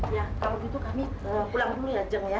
ya kalau gitu kami pulang dulu ya jeng ya